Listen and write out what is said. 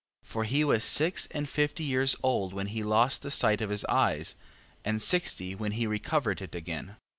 14:3. For he was six and fifty years old when he lost the sight of his eyes, and sixty when he recovered it again.